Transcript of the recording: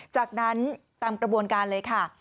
จากนั้นตามกระบวนการเลยค่ะ